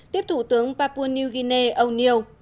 tiếp thủ tướng papua new guinea o neill